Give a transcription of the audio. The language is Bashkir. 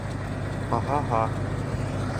Аһа-һа...